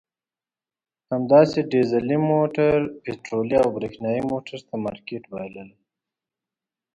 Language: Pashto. همداسې ډیزلي موټر پټرولي او برېښنایي موټر ته مارکېټ بایللی.